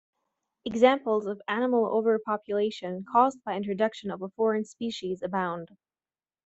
Examples of animal overpopulation caused by introduction of a foreign species abound.